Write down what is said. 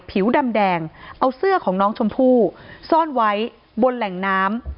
ผิวดำแดงเอาเสื้อของน้องชมพู่ซ่อนไว้บนแหล่งน้ำ